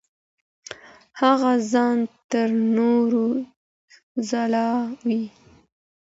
هغه ځان تر نورو ځاروي.